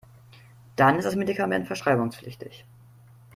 Dann ist das Medikament verschreibungspflichtig.